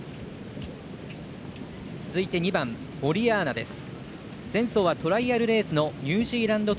続いて２番モリアーナです。